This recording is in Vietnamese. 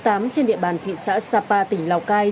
trên địa bàn thị xã sapa tỉnh lào cai